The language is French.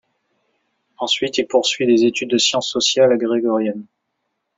Ensuite il poursuit des études de sciences sociales à la Grégorienne.